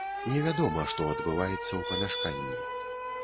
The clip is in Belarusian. Невядома, што адбываецца ў памяшканні.